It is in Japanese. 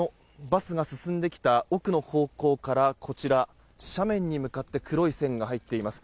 バスが進んできた奥の方向からこちら、斜面に向かって黒い線が入っています。